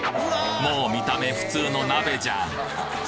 もう見た目普通の鍋じゃん！